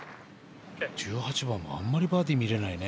１８番はあまりバーディー見れないね。